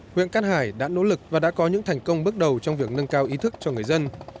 huyện cát hải đã nỗ lực và đã có những thành công bước đầu trong việc nâng cao ý thức cho người dân